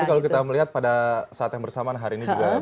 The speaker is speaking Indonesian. tapi kalau kita melihat pada saat yang bersamaan hari ini juga